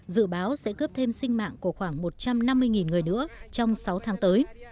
dự báo sẽ cướp thêm sinh mạng của khoảng một trăm năm mươi người nữa trong sáu tháng tới